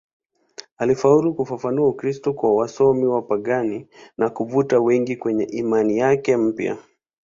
Alifaulu kufafanua Ukristo kwa wasomi wapagani na kuvuta wengi kwenye imani yake mpya.